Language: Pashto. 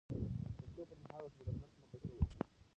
د تلو پر مهال ورته په درنښت مخه ښه وکړئ.